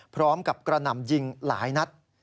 พร้อมกับกระหน่ำยิงหลายนัด